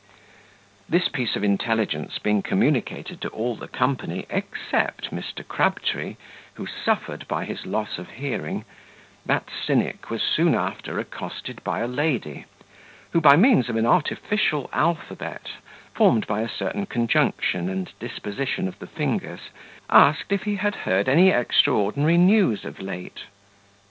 This piece of intelligence being communicated to all the company except Mr. Crabtree, who suffered by his loss of hearing, that cynic was soon after accosted by a lady, who, by means of an artificial alphabet, formed by a certain conjunction and disposition of the fingers, asked if he had heard any extraordinary news of late.